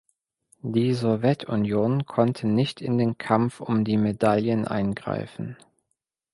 Die Sowjetunion konnte nicht in den Kampf um die Medaillen eingreifen.